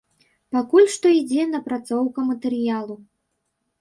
Пакуль што ідзе напрацоўка матэрыялу.